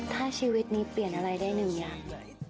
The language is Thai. ถ้าชีวิตนี้เปลี่ยนอะไรได้หนึ่งอย่าง